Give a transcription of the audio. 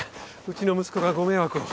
うちの息子がご迷惑を。